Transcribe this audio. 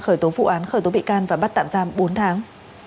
khởi tố vụ án khởi tố bị can và bắt tạm giam bốn tháng